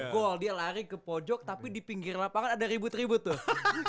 gol dia lari ke pojok tapi di pinggir lapangan ada ribut ribut tuh